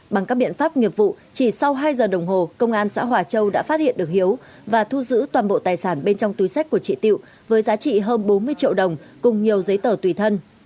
bằng các biện pháp nghiệp vụ chỉ sau hai giờ đồng hồ công an xã hòa châu đã phát hiện được hiếu và thu giữ toàn bộ tài sản bên trong túi sách của chị tiệu với giá trị hơn bốn mươi triệu đồng cùng nhiều giấy tờ tùy thân